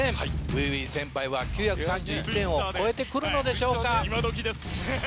ｕｉｕｉ先輩は９３１点を超えて来るのでしょうか。